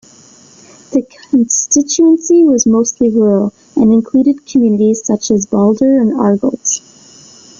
The constituency was mostly rural, and included communities such as Baldur and Argyles.